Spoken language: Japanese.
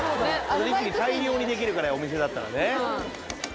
一気に大量にできるからお店だったらね。